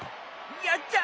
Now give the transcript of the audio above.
やった！